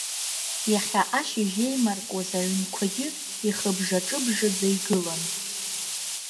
Иахьа ашьыжь еимаркуаз аҩнқәагьы, ихыбжаҿыбжаӡа игылан.